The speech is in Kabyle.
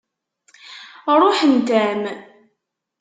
Ṛuḥent-am.